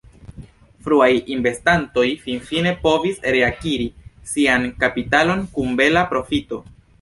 Fruaj investantoj finfine povis reakiri sian kapitalon kun bela profito.